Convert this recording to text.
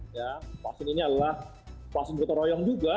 ya vaksin ini adalah vaksin gotong royong juga